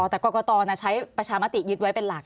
แต่กรกตใช้ประชามติยึดไว้เป็นหลัก